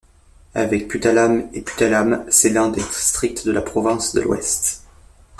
Avec Puttalam et Puttalam, c'est l'un des districts de la province de l'Ouest.